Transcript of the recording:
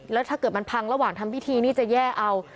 แล้วถ้าเกิดมันพังระหว่างทำพิธีนี่จะแย่เอา